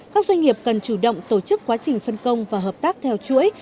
các doanh nghiệp cần chủ động tổ chức quá trình phân công và hợp tác theo chuỗi